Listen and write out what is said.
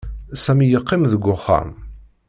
Sami yeqqim deg uxxam.